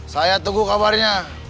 saya tunggu kabarnya